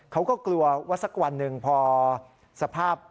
เขาก็กลัวว่าสักวันหนึ่งพอสภาพ